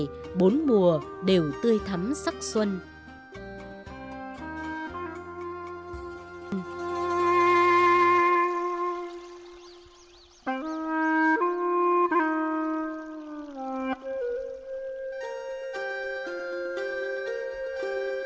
nhưng bốn mùa vừa rơi vì jar sắc sắc carails